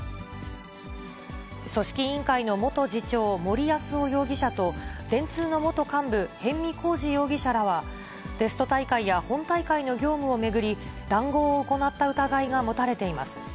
組織委員会の元次長、森泰夫容疑者と、電通の元幹部、逸見晃治容疑者らは、テスト大会や本大会の業務を巡り、談合を行った疑いが持たれています。